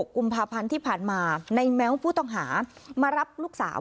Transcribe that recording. กุมภาพันธ์ที่ผ่านมาในแม้วผู้ต้องหามารับลูกสาว